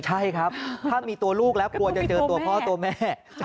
ใช่ครับถ้ามีตัวลูกแล้วกลัวจะเจอตัวพ่อตัวแม่